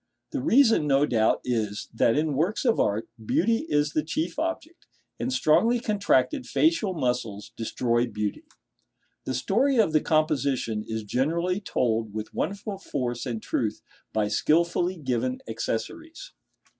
The reason no doubt is, that in works of art, beauty is the chief object; and strongly contracted facial muscles destroy beauty. The story of the composition is generally told with wonderful force and truth by skilfully given accessories.